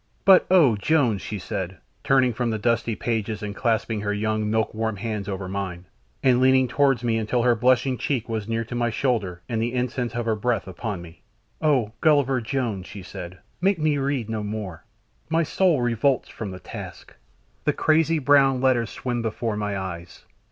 But "Oh! Jones," she said, turning from the dusty pages and clasping her young, milk warm hands over mine and leaning towards me until her blushing cheek was near to my shoulder and the incense of her breath upon me. "Oh! Gulliver Jones," she said. "Make me read no more; my soul revolts from the task, the crazy brown letters swim before my eyes.